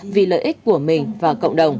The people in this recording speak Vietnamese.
vì lợi ích của mình và cộng đồng